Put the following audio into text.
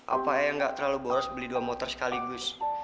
apa ayah gak terlalu boros beli dua motor sekaligus